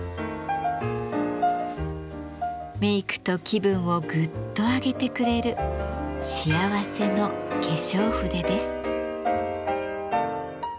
メイクと気分をグッと上げてくれる幸せの化粧筆です。